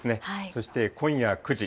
そして今夜９時。